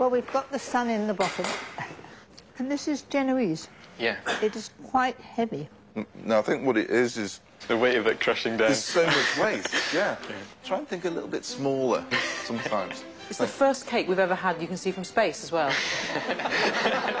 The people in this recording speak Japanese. はい。